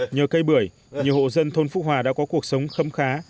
nhờ cây bưởi nhiều hộ dân thôn phúc hòa đã có cuộc sống khâm khá